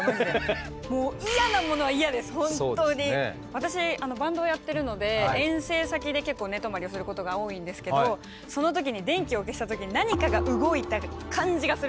私バンドをやってるので遠征先で結構寝泊まりをすることが多いんですけどその時に電気を消した時にその気配が。